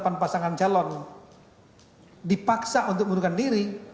penerbit pasangan calon dipaksa untuk mundurkan diri